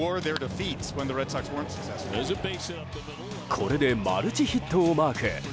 これで、マルチヒットをマーク。